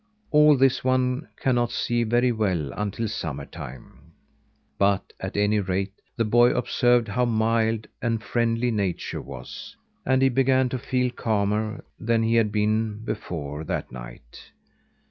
All this one cannot see very well until summertime; but, at any rate, the boy observed how mild and friendly nature was; and he began to feel calmer than he had been before, that night.